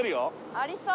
ありそう。